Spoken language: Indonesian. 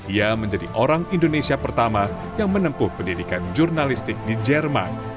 ia menjadi orang indonesia pertama yang menempuh pendidikan jurnalistik di jerman